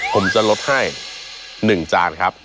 ผมจะลดให้๑จานครับ